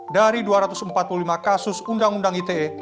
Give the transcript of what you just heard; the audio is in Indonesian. dari dua ratus empat puluh lima kasus undang undang ite